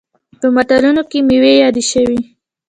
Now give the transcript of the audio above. په متلونو کې میوې یادې شوي.